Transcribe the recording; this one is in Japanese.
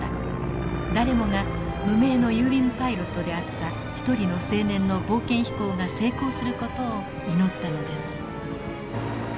誰もが無名の郵便パイロットであった一人の青年の冒険飛行が成功する事を祈ったのです。